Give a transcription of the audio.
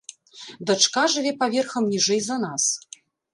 Дачка жыве паверхам ніжэй за нас.